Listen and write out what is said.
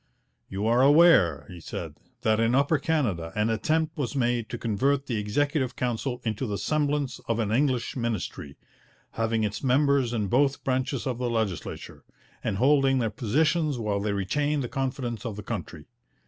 'You are aware,' he said, 'that in Upper Canada an attempt was made to convert the Executive Council into the semblance of an English ministry, having its members in both branches of the legislature, and holding their positions while they retained the confidence of the country.